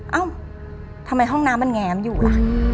เอ้าทำไมห้องน้ำมันแง้มอยู่ล่ะ